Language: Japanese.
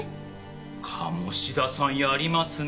鴨志田さんやりますね。